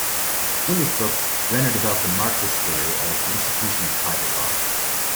In this book, Renner developed a Marxist theory of the institution of private law.